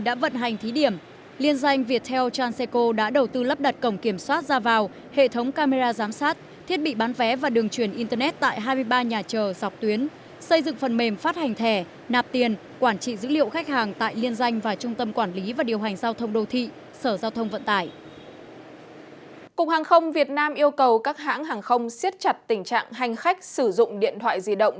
cục hàng không việt nam yêu cầu các hãng hàng không siết chặt tình trạng hành khách sử dụng điện thoại di động